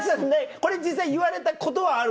これ実際言われたことはあるんですか？